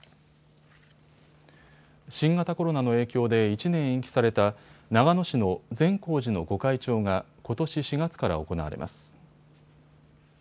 新型コロナの影響で１年延期された長野市の善光寺の御開帳が、ことし４月から行われます。